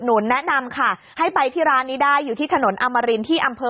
หนูก็กลับมาจากโรงเรียนแล้วหนูก็มาทำที่บ้านค่ะ